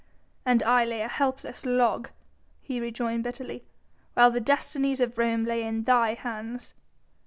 "And I lay a helpless log," he rejoined bitterly, "while the destinies of Rome lay in thy hands."